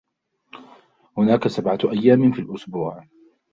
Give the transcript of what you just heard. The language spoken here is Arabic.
هناك سبعة أيام في الأسبوع.